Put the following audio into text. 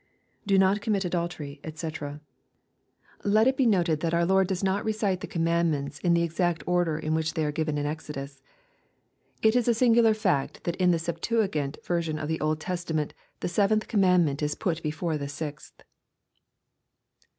[Do i\ot commit adultery <kcP Let it be noted that our Lord ) I 276 EXPOSITOKY THOUGHTS. does not ivcite the commandments in the exact order in which they are given in Exodus. It is a singular fact that in the Septuagint version of the Old Testament the seventh commandment is put be fore the sixth.